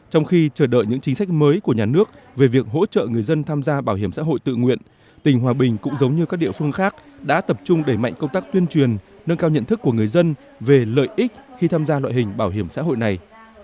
trong khi chờ đợi những chính sách mới của nhà nước về việc hỗ trợ người dân tham gia bảo hiểm xã hội tự nguyện tỉnh hòa bình cũng giống như các địa phương khác đã tập trung đẩy mạnh công tác tuyên truyền nâng cao nhận thức của người dân về lợi ích khi tham gia loại hình bảo hiểm xã hội này